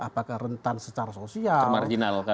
apakah rentan secara sosial